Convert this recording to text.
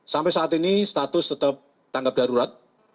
sampai saat ini status tetap tanggap darurat